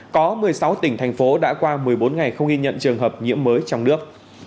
có một mươi sáu tỉnh thành phố đã qua một mươi bốn ngày không ghi nhận trường hợp nhiễm mới trong nước